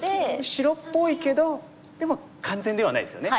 白っぽいけどでも完全ではないですよね。